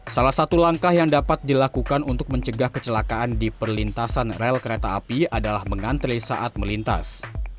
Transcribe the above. salah satu langkah yang dapat dilakukan untuk mencegah kecelakaan di perlintasan rel kereta api adalah mengantre saat melintas